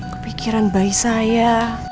kepikiran bayi saya